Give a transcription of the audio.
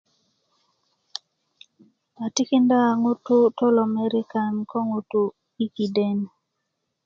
a tikinda ŋutu tolomerikan ko ŋutu i kiden